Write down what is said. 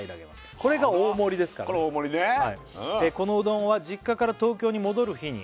これが大盛りですからこれ大盛りね「このうどんは実家から東京に戻る日に」